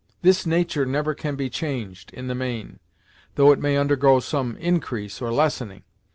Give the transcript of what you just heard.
This natur' never can be changed, in the main, though it may undergo some increase, or lessening.